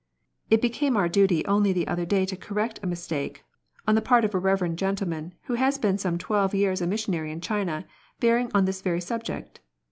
It became our duty only the other day to correct a mistake, on the part of a reverend gentleman who has been some twelve years a missionary in China, bearing on this very subject.